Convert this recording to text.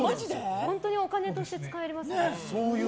本当にお金として使えますね。